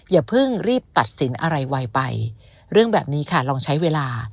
อย่าเพิ่งรีบตัดสินอะไรไวไปเรื่องแบบนี้ค่ะลองใช้เวลา